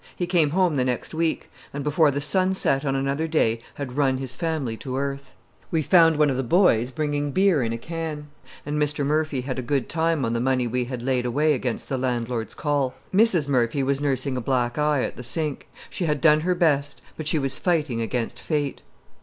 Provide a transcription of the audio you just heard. He came home the next week, and before the sun set on another day had run his family to earth. We found one of the boys bringing beer in a can and Mr. Murphy having a good time on the money we had laid away against the landlord's call. Mrs. Murphy was nursing a black eye at the sink. She had done her best, but she was fighting against fate.